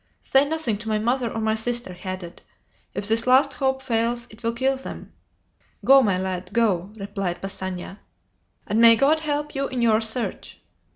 "Say nothing to my mother or my sister," he added; "if this last hope fails it will kill them!" "Go, my lad, go," replied Passanha, "and may God help you in your search."